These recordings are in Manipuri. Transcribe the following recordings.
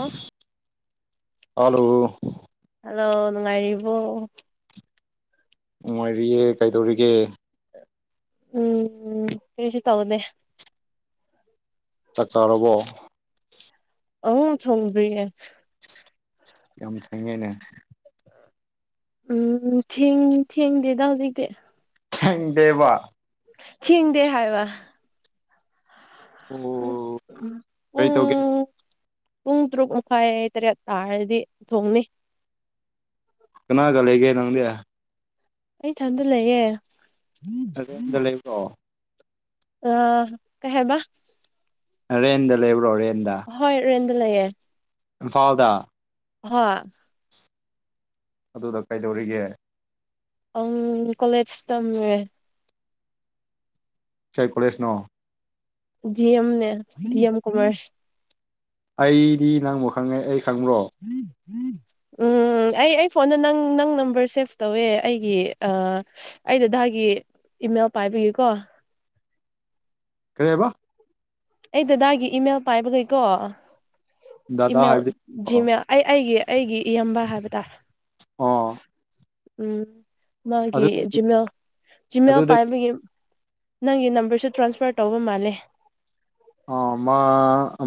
ꯑꯣꯐ ꯑꯂꯨ ꯍꯜꯂꯣ ꯅꯨꯡꯉꯥꯏꯔꯤꯕꯣ꯫ ꯅꯨꯡꯉꯥꯏꯔꯤꯌꯦ ꯀꯩꯗꯧꯔꯤꯒꯦ꯫ ꯎꯝ ꯀꯔꯤꯁꯨ ꯇꯧꯗꯦ꯫ ꯆꯥꯛ ꯆꯥꯔꯕꯣ꯫ ꯑꯍꯨꯝ ꯊꯣꯡꯗꯔꯤꯌꯦ꯫ ꯌꯥꯝ ꯊꯦꯡꯉꯦꯅꯦ꯫ ꯎꯝ ꯊꯦꯡ ꯊꯦꯡꯗꯦꯗ ꯍꯧꯖꯤꯛꯇꯤ꯫ ꯊꯦꯡꯗꯦꯕ꯫ ꯊꯦꯡꯗꯦ ꯍꯥꯏꯕ꯫ ꯑꯣ ꯀꯔꯤ ꯇꯧꯒꯦ ꯎꯡ ꯄꯨꯡ ꯇꯔꯨꯛ ꯃꯈꯥꯏ ꯇꯔꯦꯠ ꯇꯥꯔꯗꯤ ꯊꯣꯡꯅꯤ꯫ ꯀꯅꯥꯒ ꯂꯩꯒꯦ ꯅꯪꯗꯤ꯫ ꯑꯩ ꯏꯊꯟꯗ ꯂꯩꯌꯦ꯫ [unintelligible] ꯂꯩ ꯑ ꯀꯩꯍꯥꯏꯕ ꯔꯦꯟꯗ ꯂꯩꯕ꯭ꯔꯣ ꯔꯦꯟꯗ ꯍꯣꯏ ꯔꯦꯟꯗ ꯂꯩꯌꯦ ꯏꯝꯐꯥꯜꯗ ꯍꯥ ꯑꯗꯨꯗ ꯀꯩꯗꯧꯔꯤꯒꯦ ꯑꯝ ꯀꯣꯂꯦꯖ ꯇꯝꯃꯦ ꯀꯩ ꯀꯣꯂꯦꯖ ꯅꯣ ꯗꯦꯝ ꯅꯦ ꯗꯦꯝ ꯀꯃꯔꯁ ꯑꯩꯗꯤ ꯅꯪꯕꯨ ꯈꯪꯉꯦ ꯑꯩ ꯈꯪꯕ꯭ꯔꯣ ꯎꯝ ꯑꯩ ꯑꯩ ꯐꯣꯟꯗ ꯅꯪ ꯅꯪ ꯅꯝꯕꯔ ꯁꯦꯞ ꯇꯧꯋꯦ ꯑꯩꯒꯤ ꯑꯥ ꯑꯩ ꯗꯗꯥꯒꯤ ꯏꯃꯦꯜ ꯄꯥꯏꯕꯒꯤꯀꯣ ꯀꯔꯤꯕ ꯑꯩ ꯗꯗꯥꯒꯤ ꯏꯃꯦꯜ ꯄꯥꯏꯕꯒꯤꯀꯣ ꯗꯥꯗꯥ ꯏꯃꯦꯜ ꯍꯥꯏꯕꯗꯤ ꯑꯣ ꯖꯤꯃꯦꯜ ꯑꯩ ꯑꯩꯒꯤ ꯑꯩꯒꯤ ꯏꯌꯥꯝꯕ ꯍꯥꯏꯕ ꯇꯥꯔꯦ ꯑꯣ ꯎꯝ ꯃꯥꯒꯤ ꯑꯗꯨꯗꯒꯤ ꯖꯤꯃꯦꯜ ꯖꯤꯃꯦꯜ ꯑꯗꯨꯗꯒꯤ ꯄꯥꯏꯕꯒꯤ ꯅꯪꯒꯤ ꯅꯝꯕꯔꯁꯨ ꯇ꯭ꯔꯥꯟꯁꯐꯔ ꯇꯧꯕ ꯃꯥꯜꯂꯦ ꯑꯣ ꯃꯥ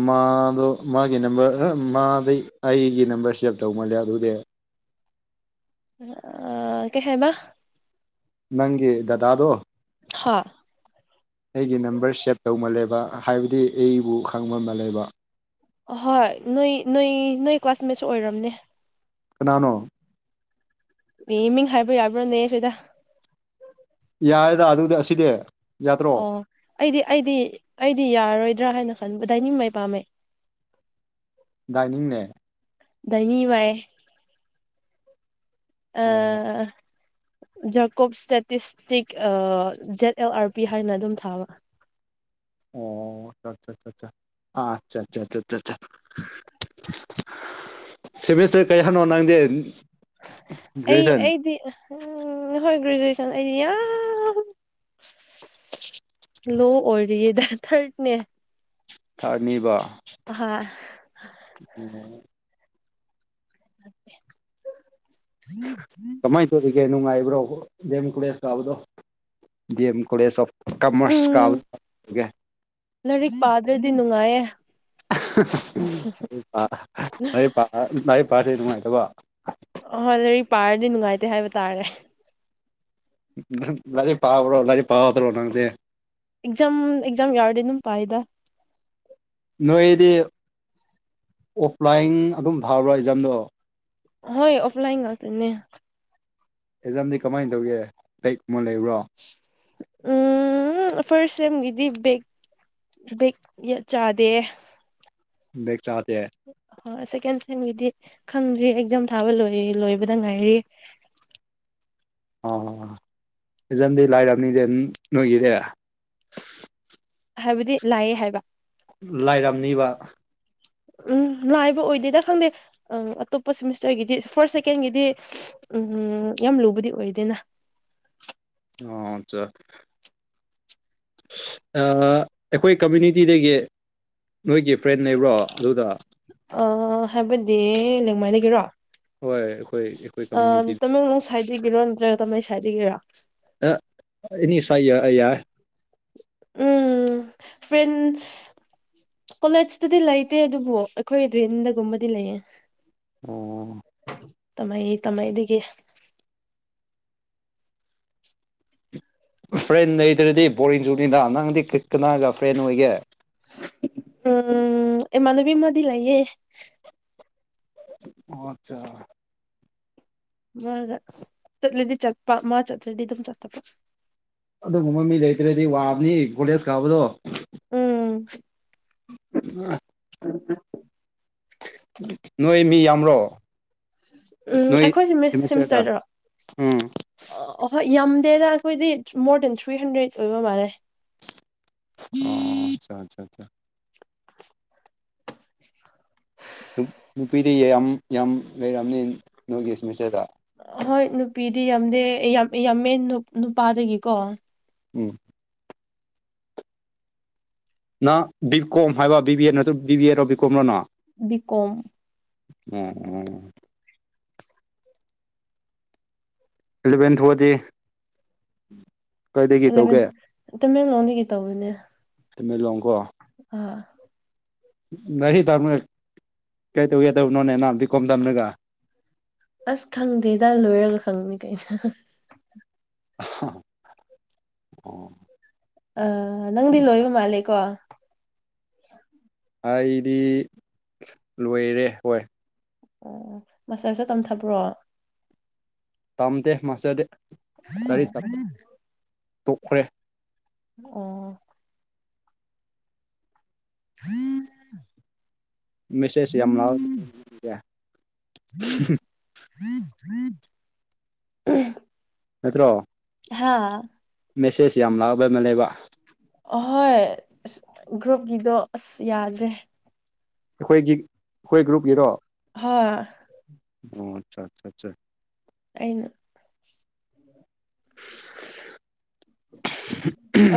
ꯃꯥꯗꯣ ꯃꯥꯒꯤ ꯅꯝꯕꯔ ꯃꯥꯗꯤ ꯑꯩꯒꯤ ꯅꯝꯕꯔ ꯁꯦꯞ ꯇꯧꯃꯥꯜꯂꯦ ꯑꯗꯨꯗꯤ ꯑ ꯀꯩꯍꯥꯏꯕ ꯅꯪꯒꯤ ꯗꯗꯥꯗꯣ ꯍꯥ ꯑꯩꯒꯤ ꯅꯝꯕꯔ ꯁꯦꯞ ꯇꯧ ꯃꯜꯂꯦꯕ ꯍꯥꯏꯕꯗꯤ ꯑꯩꯕꯨ ꯈꯪꯕ ꯃꯜꯂꯦꯕ ꯑ ꯍꯣꯏ ꯅꯣꯏ ꯅꯣꯏ ꯅꯣꯏ ꯀ꯭ꯂꯥꯁꯃꯦꯠꯁꯨ ꯑꯣꯏꯔꯝꯅꯤ ꯀꯅꯥꯅꯣ ꯃꯤ ꯃꯤꯡ ꯍꯥꯏꯕ ꯌꯥꯕ꯭ꯔꯣꯅꯦ ꯁꯤꯗ ꯌꯥꯌꯦꯗ ꯑꯗꯨꯗꯤ ꯑꯁꯤꯗꯤ ꯌꯥꯗ꯭ꯔꯣ ꯑꯣ ꯑꯩꯗꯤ ꯑꯩꯗꯤ ꯑꯩꯗꯤ ꯌꯥꯔꯔꯣꯏꯗ꯭ꯔꯥ ꯍꯥꯏꯅ ꯈꯟꯕ ꯗꯥꯏꯅꯤꯡ ꯃꯩ ꯄꯥꯝꯃꯩ ꯗꯥꯏꯅꯤꯡꯅꯦ ꯗꯥꯏꯅꯤꯋꯥꯏ ꯑ ꯑꯣ ꯖꯀꯣꯞ statistic Z L R P ꯍꯥꯏꯅ ꯑꯗꯨꯝ ꯊꯥꯕ ꯑꯣ ꯆꯥ ꯆꯥ ꯑ ꯑꯆꯥ ꯑꯆꯥ [unintelligible] ꯁꯤꯃꯤꯁꯇꯔ [unintelligible] ꯅꯪꯗꯤ ꯑꯩ ꯒ꯭ꯔꯦꯖꯨꯌꯦꯁꯟ ꯑꯩꯗꯤ ꯎꯝ ꯍꯣꯏ ꯒ꯭ꯔꯦꯖꯨꯑꯦꯁꯟ ꯑꯩꯗꯤ ꯌꯥꯝ ꯂꯣ ꯑꯣꯏꯔꯤꯌꯦꯗ ꯊ꯭ꯔꯠꯅꯦ ꯊꯥꯔ꯭ꯠ ꯅꯤꯕ ꯑꯍ [inaudible] [inaudible] ꯀꯃꯥꯏꯅ ꯇꯧꯒꯤꯒꯦ ꯅꯨꯡꯉꯥꯏꯕ꯭ꯔꯣ ꯗꯦꯝ ꯀꯨꯂꯦꯁ ꯀꯥꯕꯗꯣ D M college of commerce ꯀ ꯎꯝ ꯂꯥꯏꯔꯤꯛ ꯄꯥꯗ꯭ꯔꯗꯤ ꯅꯨꯡꯉꯥꯏꯌꯦ ꯂꯥꯏꯔꯤꯛ ꯄꯥ ꯂꯥꯏꯔꯤꯛ ꯄꯥ ꯂꯥꯏꯔꯤꯛ ꯄꯥꯗꯗꯤ ꯅꯨꯡꯉꯥꯏꯇꯕ ꯑꯍꯣꯏ ꯂꯔꯤ ꯄꯥꯔꯗꯤ ꯅꯨꯡꯉꯥꯏꯇꯦ ꯍꯥꯏꯕ ꯇꯥꯔꯦ ꯅꯪ ꯂꯥꯏꯔꯤꯛ ꯄꯥꯕ꯭ꯔꯣ ꯂꯥꯏꯔꯤꯛ ꯄꯥꯗ꯭ꯔꯣ ꯅꯪꯖꯦ ꯑꯦꯛꯖꯝ ꯑꯦꯛꯖꯥꯝ ꯌꯥꯎꯔꯗꯤ ꯑꯗꯨꯝ ꯄꯥꯏꯗ ꯅꯣꯏꯗꯤ ꯑꯣꯐꯂꯥꯏꯟ ꯑꯗꯨꯝ ꯊꯥꯕ꯭ꯔꯣ ꯑꯦꯛꯖꯥꯝꯗꯣ ꯍꯣꯏ ꯑꯣꯐꯂꯥꯏꯟ ꯉꯇꯅꯦ ꯑꯦꯖꯝꯗꯤ ꯀꯃꯥꯏꯅ ꯇꯧꯒꯦ ꯂꯩ ꯀꯨꯝꯕ ꯂꯩꯕ꯭ꯔꯣ ꯎꯝ ꯐꯔꯁ ꯁꯦꯝꯕꯕꯦ ꯦꯛꯠ ꯆꯥꯗꯦ ꯦꯛ ꯆꯥꯇꯦ ꯍ ꯁꯦꯀꯦꯟ ꯁꯒꯤꯗꯤ ꯈꯪꯗ꯭ꯔꯤ ꯑꯦꯛꯖꯥꯝ ꯊꯥꯕ ꯂꯣꯏ ꯂꯣꯏꯕꯗ ꯉꯥꯏꯔꯤ ꯑ ꯐꯖꯝꯗꯤ ꯂꯥꯏꯔꯕꯔꯕꯅꯤꯗꯤ ꯑꯗꯨ ꯅꯣꯏꯒꯤꯗ ꯍꯥꯏꯕꯗꯤ ꯂꯥꯏꯑꯦ ꯍꯥꯏꯕ ꯂꯥꯏꯔꯝꯅꯤꯕ ꯎꯝ ꯂꯥꯏꯕ ꯑꯣꯏꯗꯦꯗ ꯈꯪꯗꯦ ꯑꯝ ꯑꯇꯣꯞꯄ ꯁꯤꯦꯃꯤꯁꯇꯔꯒꯤꯗꯤ ꯐꯥꯔꯁ ꯁꯦꯀꯦꯟꯒꯤꯗꯤ ꯎꯝ ꯌꯥꯝ ꯂꯨꯕꯗꯤ ꯑꯣꯏꯗꯦꯅ ꯑ ꯆ ꯑꯩꯈꯣꯏ ꯀꯝꯃꯨꯅꯤꯇꯤꯗꯒꯤ ꯅꯣꯏꯒꯤ ꯐ꯭ꯔꯦꯟ ꯂꯩꯕ꯭ꯔꯣ ꯑꯗꯨꯗ ꯑ ꯍꯥꯏꯕꯗꯤ ꯅꯦꯡꯃꯥꯏꯗꯒꯤꯔꯣ ꯍꯣꯏ ꯑꯩꯈꯣꯏ ꯑꯩꯈꯣꯏ ꯑ ꯀꯝꯃ꯭ꯌꯨꯅꯤꯇꯤ ꯇꯃꯦꯡꯂꯣꯡ ꯁꯥꯏꯠꯇꯒꯤꯔꯣ ꯅꯠꯇ꯭ꯔꯒ ꯇꯥꯃꯦꯜ ꯁꯥꯏꯠꯇꯒꯤꯔꯣ ꯅꯤ ꯁꯥꯏ ꯌꯥꯏ ꯎꯝ ꯐ꯭ꯔꯦꯟ ꯀꯣꯂꯦꯖꯇꯗꯤ ꯂꯩꯇꯦ ꯑꯗꯨꯕꯨ ꯑꯩꯈꯣꯏ ꯔꯤꯟꯗꯒꯨꯝꯕꯗꯤ ꯂꯩꯌꯦ ꯑꯣ ꯇꯃꯥꯏ ꯇꯥꯃꯩꯗꯒꯤ ꯐ꯭ꯔꯦꯟ ꯂꯩꯗ꯭ꯔꯗꯤ ꯕꯣꯔꯤꯡ ꯆꯨꯅꯤꯗ ꯅꯪꯗꯤ ꯀꯤꯛ ꯀꯅꯥꯒ ꯐ꯭ꯔꯦꯟ ꯑꯣꯏꯒꯦ ꯎꯝ ꯏꯃꯕꯤ ꯃꯗꯤ ꯂꯥꯏꯌꯦꯦ ꯑꯠꯆꯥ ꯃꯥꯒ ꯆꯠꯂꯗꯤ ꯆꯠꯄ ꯃꯥ ꯆꯠꯇ꯭ꯔꯗꯤ ꯑꯗꯨꯝ ꯆꯠꯇꯕ ꯑꯗꯨꯒꯨꯝꯕ ꯃꯤ ꯂꯩꯇ꯭ꯔꯗꯤ ꯋꯥꯕꯅꯤ ꯀꯣꯂꯦꯖ ꯀꯥꯕꯗꯣ ꯎꯝ ꯑ ꯎꯝ ꯅꯣꯏ ꯃꯤ ꯌꯥꯝꯔꯣ ꯎꯝ ꯑꯩꯈꯣꯏꯁꯦ ꯁꯦꯃꯤꯁꯇꯔꯗ ꯁꯤꯦꯃꯤꯁꯇꯔꯗꯔꯣ ꯎꯝ ꯑ ꯑ ꯍꯣꯏ ꯌꯥꯝꯗꯦꯗ ꯑꯩꯈꯣꯏꯗꯤ ꯃꯣꯔ ꯗꯦꯟ ꯊ꯭ꯔꯤ ꯍꯟꯗ꯭ꯔꯦꯗ ꯑꯣꯏꯕ ꯃꯥꯜꯂꯦ ꯑꯣ ꯑꯆꯥ ꯑꯆꯥ ꯑꯆꯥ ꯅꯨꯄꯤꯗꯤ ꯌꯥꯝ ꯌꯥꯝ ꯂꯩꯔꯛꯑꯅꯤ ꯅꯣꯏꯒꯤ ꯁꯦꯃꯤꯁꯇꯔꯗ ꯍꯣꯏ ꯅꯨꯄꯤꯗꯤ ꯌꯥꯝꯗꯦ ꯌꯥꯝꯃꯦ ꯅꯨꯄꯥꯗꯒꯤꯀꯣ ꯎꯝ ꯅ ꯕꯤ ꯀꯣꯝ ꯍꯥꯏꯕ ꯕꯤ ꯕꯤ ꯑꯦ ꯅꯠꯇ꯭ꯔ ꯕꯤ ꯕꯤ ꯑꯦꯔꯣ ꯕꯤ ꯀꯣꯝꯅꯣꯅꯣ ꯕꯤ ꯀꯣꯝ ꯎꯝ ꯎꯝ ꯏꯂꯚꯦꯟ ꯊꯗꯤ ꯏꯂꯚꯦꯟ ꯑꯣ ꯃꯦꯝ ꯑꯣꯡꯂꯤꯒꯤ ꯇꯧꯕꯋꯅꯦ ꯁꯤꯃꯦꯂꯣꯡ ꯀꯣ ꯑ ꯉꯥꯔꯤ ꯇꯥꯝꯅꯒ ꯀꯩ ꯇꯧꯒꯦꯗꯕꯅꯣꯅꯦ ꯅꯅꯥꯝꯗꯤ ꯀꯣꯝ ꯇꯝꯅꯒ ꯑꯁ ꯈꯪꯗꯦ ꯏꯗꯥ ꯂꯣꯏꯔꯒ ꯈꯪꯅꯤ ꯀꯩꯅ ꯑꯣ ꯑ ꯅꯪꯗꯤ ꯂꯣꯏꯕ ꯃꯥꯜꯂꯦꯀꯣ ꯑꯩꯗꯤ ꯂꯣꯏꯔꯦ ꯍꯣꯏ ꯑꯣ ꯃꯁꯇꯔꯁꯨ ꯇꯝꯊꯕ꯭ꯔꯣ ꯇꯝꯗꯦ ꯃꯥꯁꯇꯔꯗꯤ ꯂꯔꯤ ꯑꯣ ꯇꯣꯛꯈ꯭ꯔꯦ ꯑꯣ ꯍꯨꯝ ꯃꯦꯁꯦꯖ ꯌꯥꯝ ꯂꯥꯛ ꯎꯝ ꯅꯠꯇ꯭ꯔꯣ ꯍꯥꯥ ꯃꯦꯁꯦꯁ ꯌꯥꯝ ꯂꯥꯛꯕ ꯑꯃ ꯂꯩꯕ ꯑꯍꯣꯏ ꯑꯁ ꯒ꯭ꯔꯨꯞꯀꯤꯗꯣ ꯑꯁ ꯌꯥꯗ꯭ꯔꯦ ꯑꯩꯈꯣꯏꯒꯤ ꯑꯩꯈꯣꯏ ꯒ꯭ꯔꯨꯞꯀꯤꯔꯣ ꯍꯥ ꯑꯣ ꯑꯆꯥ ꯑꯆꯥ ꯑꯆꯥ ꯑꯩꯅ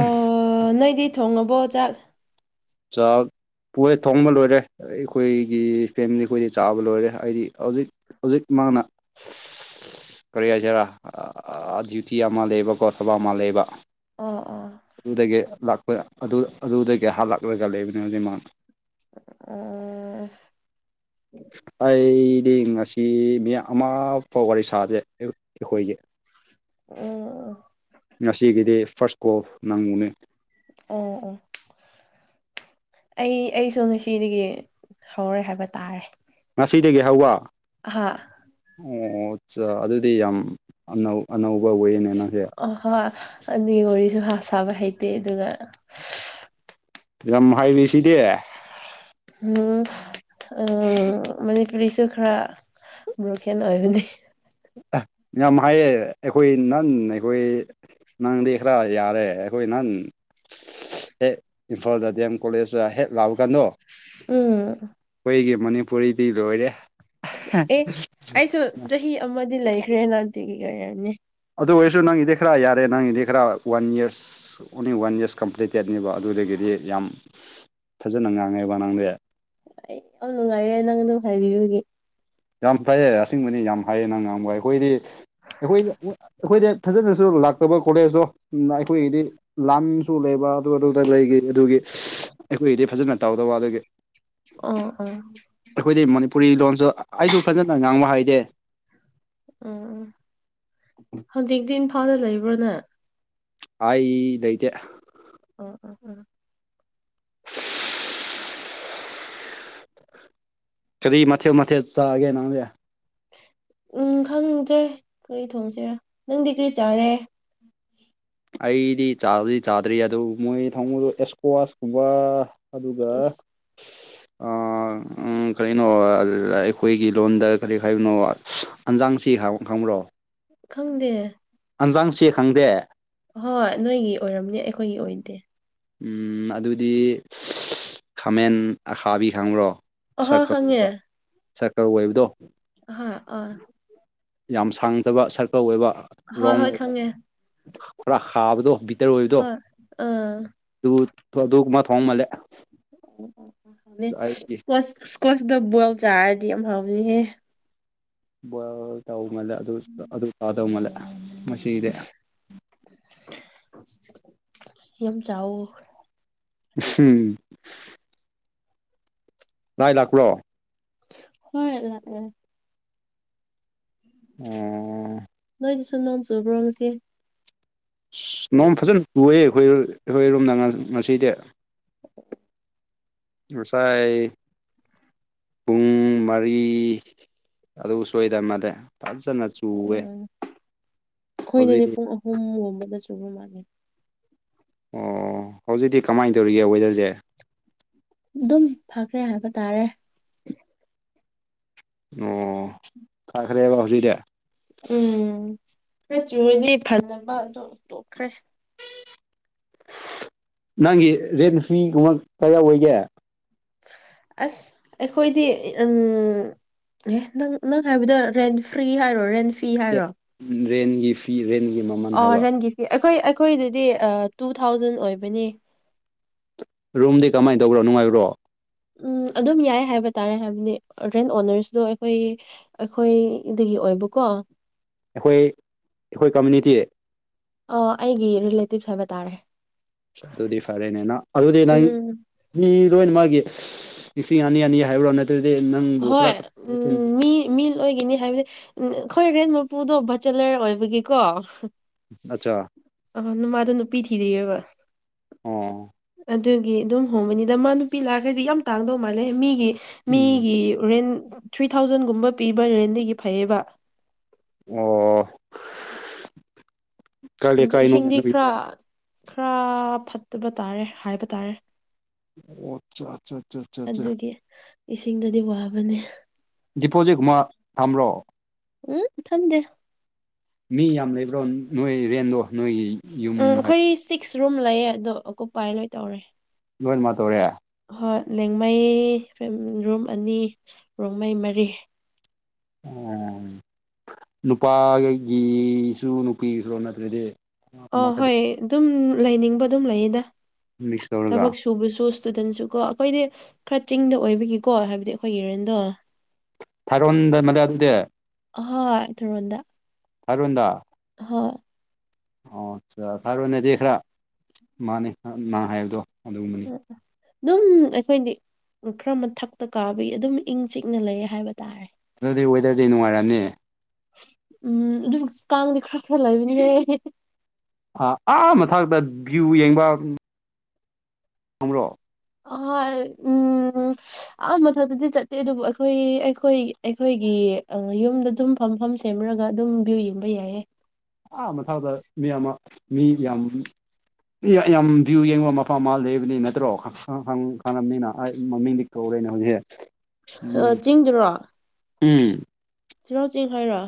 ꯑ ꯅꯣꯏꯗꯤ ꯊꯣꯡꯉꯕꯣ ꯆꯥꯛ ꯆꯥꯎꯥꯛ ꯄꯨꯔꯦ ꯊꯣꯡꯕ ꯂꯣꯏꯔꯦ ꯑꯩꯈꯣꯏꯒꯤ ꯐꯦꯃꯤꯂꯤ ꯑꯩꯈꯣꯏꯗꯤ ꯆꯥꯕ ꯂꯣꯏꯔꯦ ꯍꯥꯏꯗꯤ ꯍꯧꯖꯤꯛ ꯍꯧꯖꯤꯛ ꯃꯥꯅ ꯀꯔꯤ ꯍꯥꯏꯁꯤꯦꯔꯥ ꯗ꯭ꯌꯨꯇꯤ ꯑꯃ ꯂꯩꯕꯀꯣ ꯊꯕ ꯑꯃ ꯂꯩꯌꯦꯕ ꯑꯥ ꯑꯥ ꯑꯗꯨꯗꯒꯤ ꯂꯥꯛꯄ ꯑꯗꯨꯗꯒꯤ ꯍꯥꯂꯛꯂꯒ ꯂꯩꯕꯅꯦ ꯍꯧꯖꯤꯛ ꯃꯥꯅ ꯑ ꯑꯩꯗꯤ ꯉꯁꯤ ꯃꯤ ꯑꯃ ꯐꯥꯎ ꯋꯥꯔꯤ ꯁꯥꯗꯦ ꯑꯩꯈꯣꯏꯒꯤ ꯎꯝ ꯉꯁꯤ ꯀꯩꯗꯦ ꯐꯥꯁꯀꯣ ꯅꯪꯃꯣꯅ ꯎꯝ ꯎꯝ ꯑꯩ ꯑꯩꯁꯨ ꯉꯁꯤꯗꯒꯤ ꯍꯧꯔꯦ ꯍꯥꯏꯕ ꯇꯥꯔꯦ ꯉꯁꯤꯗꯒꯤ ꯍꯧꯋꯥ ꯍꯥꯥ ꯑꯣ ꯑꯗꯨꯗꯤ ꯌꯥꯝ ꯑꯅꯧ ꯑꯅꯧꯕ ꯋꯦꯅꯦ ꯅꯪꯁꯦ ꯑꯍꯣꯏ ꯑꯅꯤ ꯋꯥꯔꯤꯁꯨ ꯍꯥ ꯁꯥꯕ ꯍꯩꯇꯦ ꯑꯗꯨꯒ ꯌꯥꯝ ꯍꯥꯏꯔꯤꯁꯤꯗꯤ ꯎꯝ ꯑ ꯃꯅꯤ ꯇꯔꯤꯁꯨ ꯈꯔ ꯭ꯔꯀꯦꯅꯣꯏꯕꯨ ꯌꯥꯝ ꯍꯥꯏꯌꯦ ꯑꯩꯈꯣꯏ ꯅꯍꯥꯟ ꯑꯩꯈꯣꯏ ꯅꯪꯗꯤ ꯈꯔ ꯌꯥꯔꯦ ꯑꯩꯈꯣꯏ ꯅꯍꯪ ꯍꯦꯛ ꯏꯝꯐꯥꯜꯗ ꯗꯤ ꯑꯦꯝ ꯀꯣꯂꯦꯖꯇ ꯍꯦꯛ ꯂꯥꯛꯑꯣ ꯀꯥꯟꯗꯣ ꯎ ꯑꯩꯈꯣꯏꯒꯤ ꯃꯅꯤꯄꯨꯔꯤꯗꯤ ꯂꯣꯏꯔꯦ ꯑꯦ ꯑꯩꯁꯨ ꯆꯍꯤ ꯑꯃꯗꯤ ꯂꯩꯈ꯭ꯔꯦ ꯥꯟꯇꯤꯒꯤ ꯀ ꯍꯥꯏꯅꯤ ꯑꯗꯨ ꯑꯣꯏꯔꯁꯨ ꯅꯪꯒꯤꯗꯤ ꯈꯔ ꯌꯥꯔꯦ ꯅꯪꯒꯤꯗꯤ ꯈꯔ ꯋꯥꯟ ꯌꯔꯁ ꯑꯁ ꯑꯣꯡꯂꯤ ꯋꯥꯟ ꯌꯔꯁ ꯀꯝꯄ꯭ꯂꯤꯇꯦꯠꯅꯦꯕ ꯑꯗꯨꯗꯒꯤꯗꯤ ꯌꯥꯝ ꯐꯖꯅ ꯉꯥꯡꯉꯦꯕ ꯅꯪꯁꯦ ꯑꯩ ꯌꯥꯝ ꯅꯨꯡꯉꯥꯏꯔꯦ ꯅꯪ ꯑꯗꯨꯝ ꯍꯥꯏꯕꯤꯕꯒꯤ ꯌꯥꯝ ꯐꯩꯌꯦ ꯑꯁꯤꯡꯕꯅꯤ ꯌꯥꯝ ꯐꯩꯌꯦ ꯅꯪ ꯉꯥꯡꯕ ꯑꯩꯈꯣꯏꯗꯤ ꯑꯩꯈꯣꯏ ꯑꯩꯈꯣꯏꯗꯤ ꯐꯖꯅꯁꯨ ꯂꯥꯛꯇꯕ ꯀꯣꯂꯦꯖꯇꯣ ꯑꯩꯈꯣꯏꯒꯤꯗꯤ ꯂꯝꯁꯨ ꯂꯩꯕ ꯑꯗꯨ ꯑꯗꯨꯗ ꯂꯩꯈꯤ ꯑꯗꯨꯒꯤ ꯑꯩꯈꯣꯏꯒꯤꯗꯤ ꯐꯖꯅ ꯇꯧꯗꯕ ꯑꯗꯨꯒꯤ ꯑꯥ ꯑꯥ ꯑꯩꯈꯣꯏꯗꯤ ꯃꯅꯤꯄꯨꯔꯤ ꯂꯣꯟꯁꯨ ꯑꯩꯁꯨ ꯐꯖꯅ ꯉꯥꯡꯕ ꯍꯥꯏꯗꯦ ꯎꯝ ꯎꯝ ꯍꯧꯖꯤꯛꯇꯤ ꯏꯝꯐꯥꯜꯗ ꯂꯩꯕ꯭ꯔꯣꯅꯦ ꯍ ꯂꯩꯇ ꯑꯣ ꯑꯣ ꯑꯣ ꯀꯔꯤ ꯃꯊꯦ ꯃꯊꯦ ꯆꯥꯒꯦꯅꯥꯗ ꯎꯝ ꯈꯪꯗ꯭ꯔꯦ ꯀꯔꯤ ꯊꯣꯡꯁꯤꯔꯥ ꯅꯪꯗꯤ ꯀꯔꯤ ꯆꯥꯔꯦ ꯑꯩꯗꯤ ꯆꯥꯗꯤ ꯆꯥꯗ꯭ꯔꯤ ꯑꯗꯨ ꯃꯣꯏ ꯊꯃꯣꯏꯗ ꯑꯦꯁꯀꯣꯋꯥꯁꯀꯨꯝꯕ ꯑꯗꯨꯒ [unintelligible] ꯀꯔꯤꯅꯣ ꯑꯩꯈꯣꯏꯒꯤ ꯂꯣꯟꯗ ꯀꯔꯤ ꯍꯥꯏꯅꯣ ꯍꯟꯖꯥꯡꯁꯤ ꯈꯪꯕ꯭ꯔꯣ ꯈꯪꯗꯦ ꯍꯟꯖꯥꯡꯁꯤꯦ ꯈꯪꯗꯦ ꯍꯣꯏ ꯅꯣꯏꯒꯤ ꯑꯣꯏꯔꯝꯅꯦ ꯑꯩꯈꯣꯏꯒꯤ ꯑꯣꯏꯗꯦ ꯎꯝ ꯑꯗꯨꯗꯤ ꯈꯥꯃꯦꯟ ꯑꯁꯥꯕꯤ ꯈꯪꯕ꯭ꯔꯣ ꯑꯍꯣꯏ ꯁꯥꯔꯀꯜ ꯈꯪꯉꯦ ꯑꯣꯏꯕ ꯁꯥꯔꯀꯜ ꯑꯣꯏꯕꯗꯣ ꯍꯥ ꯑ ꯌꯥꯝ ꯁꯥꯡꯗꯕ ꯁꯔꯀꯜ ꯑꯣꯏꯕ ꯍꯣꯏ ꯔꯣꯡ ꯍꯣꯏ ꯑꯣꯏꯕ ꯈꯪꯉꯦ ꯈꯔ ꯍꯥꯕꯗꯣ ꯕꯤꯇꯔ ꯑꯣꯏꯕꯗꯣ ꯍꯣꯏ ꯑꯥ ꯑꯗꯨ ꯑꯗꯨ ꯀꯨꯝꯃ ꯊꯣꯡꯉ ꯃꯜꯂꯦ ꯑꯣ ꯑꯣ ꯍꯥꯎꯅꯤ ꯏꯁꯀ ꯏꯁꯀꯣꯁꯇ ꯕꯣꯏꯜ ꯆꯥꯔꯗꯤ ꯌꯥꯝ ꯍꯥꯎꯅꯤꯍꯦ ꯕꯣꯏꯜ ꯇꯧ ꯃꯥꯜꯂꯦ ꯑꯗꯨ ꯑꯗꯨ ꯇꯥꯗꯧ ꯃꯥꯜꯂꯦ ꯃꯁꯤꯗꯤ ꯌꯥꯝ ꯆꯎ ꯍꯝ [unintelligible] ꯉꯥꯏ ꯂꯥꯛꯄ꯭ꯔꯣ ꯍꯣꯏꯂ ꯎꯝ ꯅꯣꯏꯗꯤꯁꯨꯣ ꯅꯟꯁꯨꯕ꯭ꯔꯣꯪꯁꯤꯦ ꯑꯁ ꯅꯣꯡꯃ ꯐꯖꯅ ꯇꯌꯦ ꯑꯩꯈꯣꯏ ꯑꯩꯈꯣꯏꯔꯣꯝꯅ ꯉꯁꯤꯗꯤ ꯉꯅꯨꯡꯁꯥꯏ ꯄꯨꯡ ꯃꯔꯤ ꯑꯗꯨ ꯁꯣꯏꯗ ꯃꯥꯅꯦ ꯐꯖꯅ ꯆꯨꯋꯦ ꯑꯩꯈꯣꯏꯅꯗꯤ ꯍꯧꯖꯤꯛꯇꯤ ꯄꯨꯡ ꯑꯍꯨꯝꯒꯨꯝꯕꯅ ꯆꯨꯕ ꯃꯥꯜꯂꯦ ꯑꯣ ꯍꯧꯖꯤꯛꯇꯤ ꯀꯃꯥꯏꯅ ꯇꯧꯔꯤꯒꯦ ꯋꯦꯗꯔꯁꯦ ꯑꯗꯨꯝ ꯐꯈ꯭ꯔꯦ ꯍꯥꯏꯕ ꯇꯥꯔꯦ ꯑꯣ ꯊꯥꯈ꯭ꯔꯦꯕ ꯍꯧꯖꯤꯛꯗꯤ ꯎꯝ ꯈꯆꯨꯔꯗꯤ ꯐꯅꯕ ꯑꯗꯨꯣ ꯇꯣꯛꯈ꯭ꯔꯦ ꯅꯪꯒꯤ ꯔꯦꯠ ꯐ꯭ꯤꯒꯨꯝꯕ ꯀꯌꯥ ꯑꯣꯏꯒꯦ ꯑꯁ ꯑꯩꯈꯣꯏꯗꯤ ꯎꯝ ꯑꯦ ꯅꯪ ꯅꯪ ꯍꯥꯏꯕꯗꯣ ꯔꯦꯟꯐ꯭ꯔꯤ ꯍꯥꯏꯔꯣ ꯔꯦꯟꯐꯔꯤ ꯔꯦꯟꯒꯤ ꯐꯤ ꯔꯦꯟꯒꯤ ꯃꯃꯜ ꯑꯣ ꯍꯥꯏꯕ ꯔꯦꯟꯒꯤ ꯑꯩꯈꯣꯏ ꯑꯩꯈꯣꯏꯗꯗꯤ ꯑꯥ ꯇꯨ ꯊꯥꯎꯖꯟ ꯑꯣꯏꯕꯅꯤ ꯔꯨꯝꯗꯤ ꯀꯃꯥꯏꯅ ꯇꯧꯕ꯭ꯔꯣ ꯅꯨꯡꯉꯥꯏꯕ꯭ꯔꯣ ꯎꯝ ꯑꯗꯨꯝ ꯌꯥꯏ ꯍꯥꯏꯕ ꯇꯥꯔꯦ ꯍꯥꯏꯕꯅꯤ ꯔꯦꯟ ꯑꯣꯅꯔꯁꯗꯣ ꯑꯩꯈꯣꯏꯒꯤ ꯑꯩꯈꯣꯏꯗꯒꯤ ꯑꯣꯏꯕꯀꯣ ꯑꯩꯈꯣꯏ ꯑꯩꯈꯣꯏ ꯀꯝꯃꯨꯅꯤꯇꯤ ꯑ ꯑꯩꯒꯤ ꯔꯤꯂꯦꯇꯤꯞꯁ ꯍꯥꯏꯕ ꯇꯥꯔꯦ ꯑꯗꯨꯗꯤ ꯐꯔꯦꯅꯦ ꯅꯪ ꯑꯗꯨꯗꯤ ꯅꯪ ꯎꯝ ꯃꯤ ꯂꯣꯏꯅꯃꯛꯀꯤ ꯂꯤꯁꯤꯡ ꯑꯅꯤ ꯑꯅꯤ ꯍꯥꯏꯕ꯭ꯔꯥ ꯅꯠꯇ꯭ꯔꯗꯤ ꯅꯪꯕꯨ ꯈꯔ ꯍꯣꯏ ꯎꯝ ꯃꯤ ꯃꯤ ꯂꯣꯏꯒꯤꯅꯤ ꯍꯥꯏꯕꯗꯤ ꯑꯩꯈꯣꯏ ꯔꯦꯟ ꯃꯄꯨꯗꯣ ꯕꯆꯂꯔ ꯑꯣꯏꯕꯒꯤꯀꯣ ꯑꯆꯥ ꯑ ꯅꯨꯃꯗ ꯅꯨꯄꯤ ꯊꯤꯗ꯭ꯔꯤꯑꯕ ꯑꯣ ꯑꯗꯨꯒꯤ ꯑꯗꯨꯝ ꯍꯣꯡꯒꯅꯤꯗ ꯃꯥ ꯅꯨꯄꯤ ꯂꯥꯛꯈꯩꯗꯤ ꯌꯥꯝ ꯇꯥꯡꯗꯧ ꯃꯥꯜꯂꯦ ꯃꯤꯒꯤ ꯎꯝ ꯃꯤꯒꯤ ꯔꯦꯟ ꯊ꯭ꯔꯤ ꯊꯥꯎꯖꯟꯒꯨꯝꯕ ꯄꯤꯕ ꯔꯦꯟꯗꯒꯤ ꯐꯩꯌꯦꯕ ꯑꯣ ꯀꯥꯏꯂ ꯑꯗꯨ ꯏꯁꯤꯡꯗꯤ ꯀꯥꯏꯅꯣꯅꯦꯅ ꯈꯔ ꯄꯖꯦ ꯈꯔ ꯐꯠꯇꯕ ꯇꯥꯔꯦ ꯍꯥꯏꯕ ꯇꯥꯔꯦ ꯑꯣ ꯑꯆꯥ ꯑꯆꯥ ꯑꯆꯥ ꯑꯗꯨꯒꯤ ꯏꯁꯤꯡꯗꯗꯤ ꯋꯥꯕꯅꯦ ꯗꯤꯄꯣꯖꯤꯠꯀꯨꯝꯕ ꯊꯝꯕ꯭ꯔꯣ ꯎꯝ ꯊꯝꯗꯦ ꯃꯤ ꯌꯥꯝ ꯂꯩꯕ꯭ꯔꯣ ꯅꯣꯏ ꯔꯦꯟꯗꯣ ꯅꯣꯏꯒꯤ ꯎꯝ ꯌꯨꯝ ꯍꯥꯏ ꯑꯩꯈꯣꯏ ꯁꯤꯛꯁ ꯔꯨꯝ ꯂꯩꯌꯦ ꯑꯗꯣ ꯑꯣꯀꯨꯞꯄꯥꯏ ꯂꯣꯏ ꯇꯧꯔꯦ ꯂꯣꯏꯃꯛ ꯇꯧꯔꯦ ꯍꯣꯏ ꯂꯦꯡꯃꯩ ꯔꯨꯝ ꯑꯅꯤ ꯔꯣꯡꯃꯩ ꯃꯔꯤ ꯑꯣ ꯅꯨꯄꯥꯒꯤꯁꯨ ꯅꯨꯄꯤꯔꯣ ꯅꯠꯇ꯭ꯔꯗꯤ ꯑ ꯍꯣꯏ ꯑꯃꯈꯛꯇ ꯑꯗꯨꯝ ꯂꯩꯅꯤꯡꯕ ꯑꯗꯨꯝ ꯂꯩꯌꯦꯗ ꯃꯤꯛꯁ ꯇꯧꯔꯒ ꯊꯕꯛ ꯁꯨꯕꯁꯨ ꯏꯁꯇꯨꯗꯦꯟꯁꯨꯀꯣ ꯑꯩꯈꯣꯏꯗꯤ ꯈꯔ ꯆꯤꯡꯗ ꯑꯣꯏꯕꯒꯤꯀꯣ ꯍꯥꯏꯕꯗꯤ ꯑꯩꯈꯣꯏꯒꯤ ꯔꯦꯟꯗꯣ ꯊꯥꯔꯣꯟꯗ ꯃꯂꯦ ꯑꯗꯨꯗꯤ ꯍꯣꯏ ꯇꯨꯔꯣꯟꯗ ꯊꯥꯔꯣꯟꯗ ꯍꯣꯏ ꯑꯣ ꯐꯥꯔꯣꯅꯗꯤ ꯈꯔ ꯃꯥꯅꯤ ꯃꯥ ꯍꯥꯏꯕꯗꯣ ꯑꯗꯨ ꯑꯗꯨꯝ ꯑꯩꯈꯣꯏꯗꯤ ꯈꯔ ꯃꯊꯛꯇ ꯀꯥꯕꯒꯤ ꯑꯗꯨꯝ ꯏꯪ ꯆꯤꯛꯅ ꯂꯩꯌꯦ ꯍꯥꯏꯕ ꯇꯥꯔꯦ ꯑꯗꯨꯗꯤ ꯋꯦꯗꯔꯗꯤ ꯅꯨꯡꯉꯥꯏꯔꯝꯅꯤ ꯎꯝ ꯑꯗꯨꯝ ꯀꯥꯡꯗꯤ ꯈꯔ ꯈꯔꯥ ꯂꯩꯕꯅꯤꯍꯩ ꯑ ꯑꯥ ꯃꯊꯥꯛꯛꯇ ꯚ꯭ꯌꯨ ꯌꯦꯡꯕ ꯍ꯭ꯔꯣ ꯑꯍꯣꯏ ꯎꯝ ꯑ ꯃꯊꯛꯇꯗꯤ ꯆꯠꯇꯦ ꯑꯗꯨꯕꯨ ꯑꯩꯈꯣꯏ ꯑꯩꯈꯣꯏ ꯑꯩꯈꯣꯏꯒꯤ ꯌꯨꯝꯗ ꯑꯗꯨꯝ ꯐꯝ ꯐꯝ ꯁꯦꯝꯃꯨꯔꯒ ꯑꯗꯨꯝ ꯚ꯭ꯌꯨ ꯌꯦꯡꯕ ꯌꯥꯏꯌꯦ ꯑꯥ ꯃꯊꯥꯗ ꯃꯤ ꯑꯃ ꯃꯤ ꯌꯥꯝ [inaudible] ꯌꯥꯝ ꯚ꯭ꯌꯨ ꯌꯦꯡꯕ ꯃꯐꯝ ꯑꯃ ꯂꯩꯕꯅꯤ ꯅꯠꯇ꯭ꯔꯣ ꯈꯪꯉꯝꯅꯤꯅ ꯃꯃꯤꯡꯗꯤ ꯀꯧꯔꯦꯅꯦ ꯍꯧꯖꯤꯛꯁꯦ ꯑ ꯆꯤꯡꯗꯨꯔꯣ ꯎꯝ ꯆꯤꯔꯥꯎ ꯆꯤꯡ ꯍꯥꯏꯔꯣ